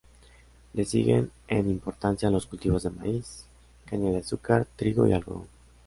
Le siguen en importancia los cultivos de maíz, caña de azúcar, trigo y algodón.